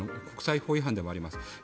国際法違反でもあります。